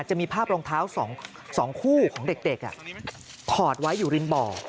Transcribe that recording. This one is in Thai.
จะมีภาพรองเท้า๒คู่ของเด็กถอดไว้อยู่ริมบ่อ